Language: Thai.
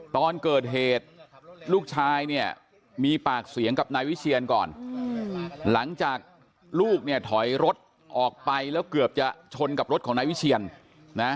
ตอนเกิดเหตุลูกชายเนี่ยมีปากเสียงกับนายวิเชียนก่อนหลังจากลูกเนี่ยถอยรถออกไปแล้วเกือบจะชนกับรถของนายวิเชียนนะ